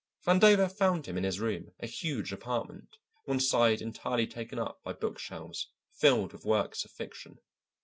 Vandover found him in his room, a huge apartment, one side entirely taken up by book shelves filled with works of fiction.